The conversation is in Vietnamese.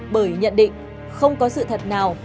bởi nhận định không có sự thật nào